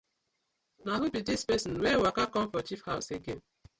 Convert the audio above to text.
Na who bi dis pesin wey waka com for chief haws again.